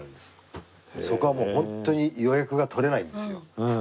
そこはもうホントに予約が取れないんですよ。